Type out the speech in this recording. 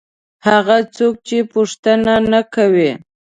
هغه څوک چې پوښتنه نه کوي.